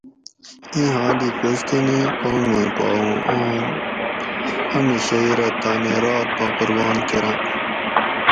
ایں حال ئ کوستینی قومیں پا اوں آم امی شئ رہ تانی رات پا قربان کراں